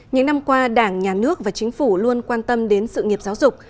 những năm qua đảng nhà nước và chính phủ luôn quan tâm đến sự nghiệp giáo dục